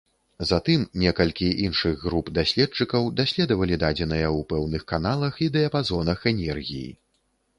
Затым некалькі іншых груп даследчыкаў даследавалі дадзеныя ў пэўных каналах і дыяпазонах энергій.